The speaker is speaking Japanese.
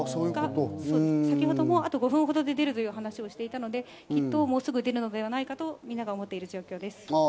先程も、あと５分ほどで出るという話をしていたので、もうすぐ出るのではないかと思っている状況です。